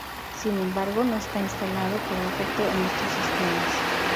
Sin embargo, no está instalado por defecto en estos sistemas.